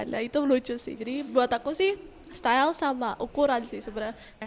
nah itu lucu sih jadi buat aku sih style sama ukuran sih sebenarnya